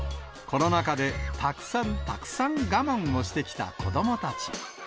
コロナ禍でたくさんたくさん我慢をしてきた子どもたち。